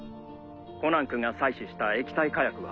コナン君が採取した液体火薬は？